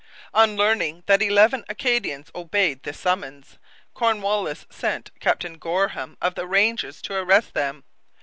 On learning that eleven Acadians obeyed this summons, Cornwallis sent Captain Goreham of the Rangers to arrest them.